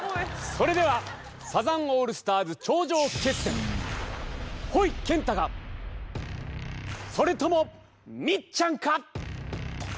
それではサザンオールスターズ頂上決戦ほいけんたかそれともみっちゃんか！？